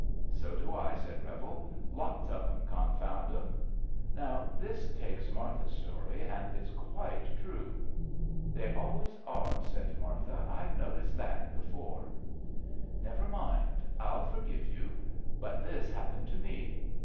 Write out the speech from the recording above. So do I," said Bevel. Lots of 'em, con found 'em." ^* Now, this takes Martha's story, and it's quite true." They always are," said Martha. " IVe noticed that before." HIS BROTHER'S KEEPER 117 ^* Never mind, I'll forgive you. But this hap pened to me.